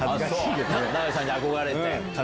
永井さんに憧れて。